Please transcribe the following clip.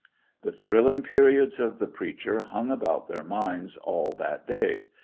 The thrilling periods of the preacher hung about their minds all that day.